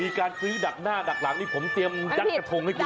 มีการซื้อดักหน้าดักหลังนี่ผมเตรียมยัดกระทงให้คุณ